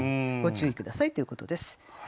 ご注意下さいということです。